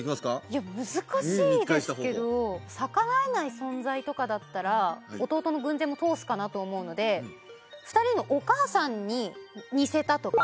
いや難しいですけど逆らえない存在とかだったら弟の軍勢も通すかなと思うので２人のお母さんに似せたとか？